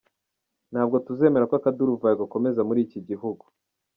Ntabwo tuzemera ko akaduruvayo gakomeza muri iki gihugu.